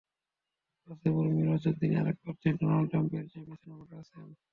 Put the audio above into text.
বাছাইপর্বের নির্বাচনে তিনি আরেক প্রার্থী ডোনাল্ড ট্রাম্পের চেয়ে পেছনে পড়ে আছেন।